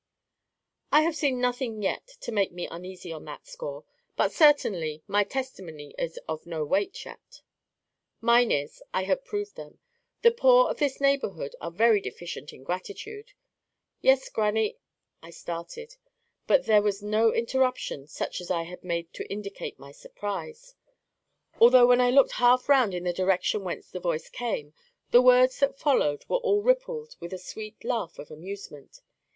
"I have seen nothing yet to make me uneasy on that score. But certainly my testimony is of no weight yet." "Mine is. I have proved them. The poor of this neighbourhood are very deficient in gratitude." "Yes, grannie,——" I started. But there was no interruption, such as I have made to indicate my surprise; although, when I looked half round in the direction whence the voice came, the words that followed were all rippled with a sweet laugh of amusement.